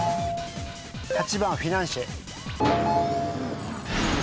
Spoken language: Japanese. ８番フィナンシェ。